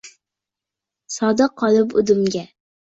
Sodiq qolib udumga